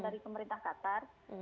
dari pemerintah qatar